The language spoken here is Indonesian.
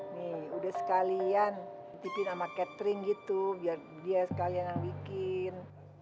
nih udah sekalian titipin sama catering gitu biar dia sekalian yang bikin